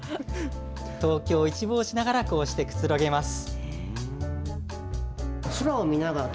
東京を一望しながらこうしてくつろげます。